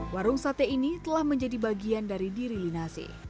warung sate ini telah menjadi bagian dari diri linase